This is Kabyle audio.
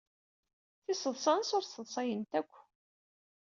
Tiseḍsa-nnes ur sseḍsayent akk.